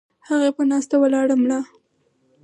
هغه پۀ ناسته ولاړه ملا